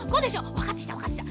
わかってきたわかってきた。